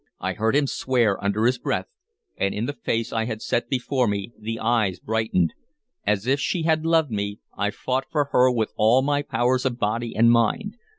I heard him swear under his breath, and in the face I had set before me the eyes brightened. As if she had loved me I fought for her with all my powers of body and mind.